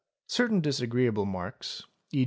Certain disagree : able marks, ¢.